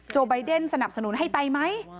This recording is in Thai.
ไบเดนสนับสนุนให้ไปไหม